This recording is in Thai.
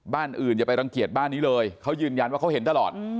บ้านอื่นอย่าไปรังเกียจบ้านนี้เลยเขายืนยันว่าเขาเห็นตลอด